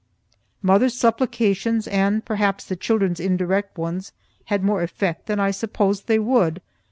Mother's supplications, and perhaps the children's indirect ones, had more effect than I supposed they would.